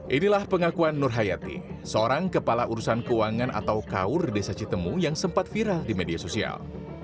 inilah pengakuan nur hayati seorang kepala urusan keuangan atau kaur desa citemu yang sempat viral di media sosial